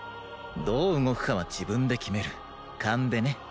どう動くかは自分で決める勘でね